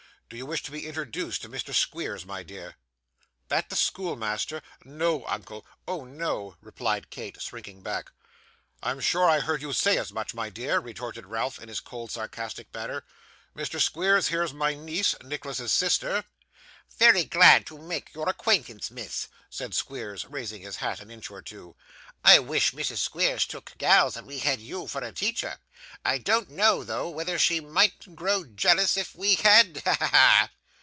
'Do you wish to be introduced to Mr. Squeers, my dear?' 'That the schoolmaster! No, uncle. Oh no!' replied Kate, shrinking back. 'I'm sure I heard you say as much, my dear,' retorted Ralph in his cold sarcastic manner. 'Mr. Squeers, here's my niece: Nicholas's sister!' 'Very glad to make your acquaintance, miss,' said Squeers, raising his hat an inch or two. 'I wish Mrs. Squeers took gals, and we had you for a teacher. I don't know, though, whether she mightn't grow jealous if we had. Ha! ha! ha!